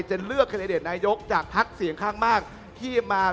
ของเกาะประชาชนทั้งประเทศครับ